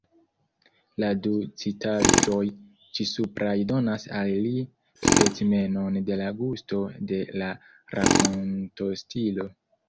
La du citaĵoj ĉisupraj donas al vi specimenon de la gusto de la rakontostilo.